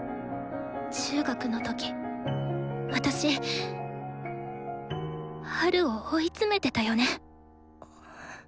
中学の時私ハルを追い詰めてたよね。